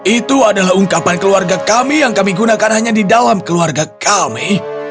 itu adalah ungkapan keluarga kami yang kami gunakan hanya di dalam keluarga kami